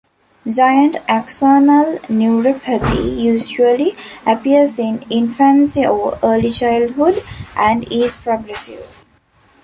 Giant axonal neuropathy usually appears in infancy or early childhood, and is progressive.